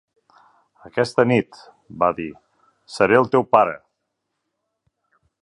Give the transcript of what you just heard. "Aquesta nit", va dir, "Seré el teu pare!"